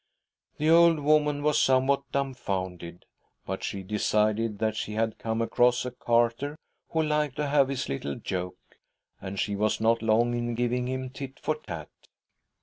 The old woman was somewhat dumbfounded, but she decided that she had come across a carter who liked to have his little joke, and she' was not long in giving him tit for tat.